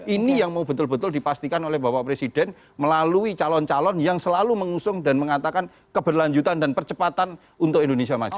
ini yang mau betul betul dipastikan oleh bapak presiden melalui calon calon yang selalu mengusung dan mengatakan keberlanjutan dan percepatan untuk indonesia maju